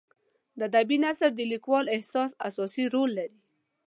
د ادبي نثر د لیکوال احساس اساسي رول لري.